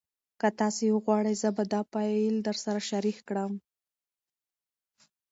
که تاسي وغواړئ زه به دا فایل درسره شریک کړم.